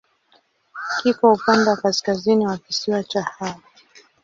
Kiko upande wa kaskazini wa kisiwa cha Hao.